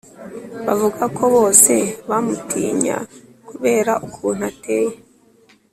bavuga ko bose bamutinya kubera ukuntu ateye